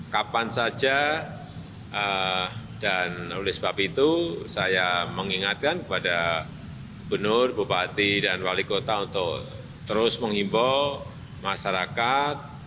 kapan saja dan oleh sebab itu saya mengingatkan kepada benur bupati dan wali kota untuk terus menghimbau masyarakat